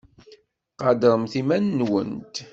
Qadremt iman-nwent.